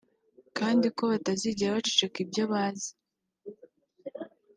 kandi ko batazigera baceceka ibyo bazi